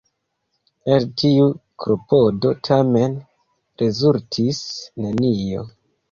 El tiu klopodo tamen rezultis nenio.